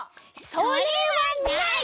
それはない！